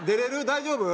大丈夫？